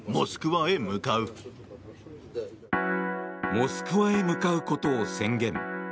モスクワへ向かうことを宣言。